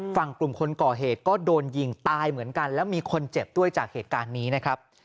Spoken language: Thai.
กลุ่มคนก่อเหตุก็โดนยิงตายเหมือนกันแล้วมีคนเจ็บด้วยจากเหตุการณ์นี้นะครับ